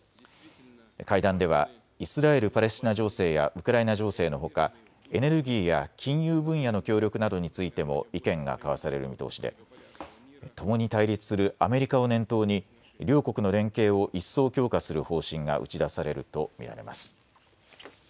会談ではイスラエル・パレスチナ情勢やウクライナ情勢のほかエネルギーや金融分野の協力などについても意見が交わされる見通しでともに対立するアメリカを念頭に両国の連携を一層、強化する方針が打ち出されると見られます。